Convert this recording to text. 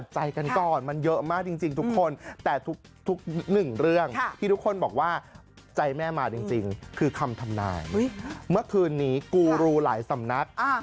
ใจแม่มาจริงคือคำทำนายเมื่อคืนนี้กูรูหลายสำนัก